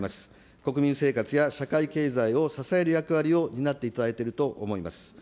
国民生活や社会経済を支える役割を担っていただいていると思います。